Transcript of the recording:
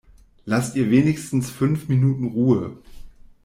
Lasst ihr wenigstens fünf Minuten Ruhe!